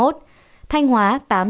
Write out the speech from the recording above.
thanh hóa tám trăm tám mươi một